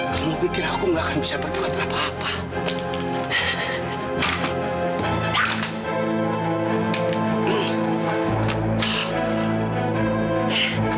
kamu pikir aku gak akan bisa berbuat apa apa